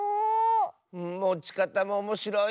もちかたもおもしろい。